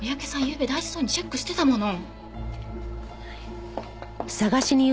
ゆうべ大事そうにチェックしてたもの。